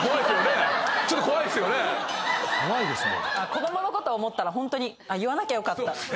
子供のこと思ったらホントに言わなきゃよかった。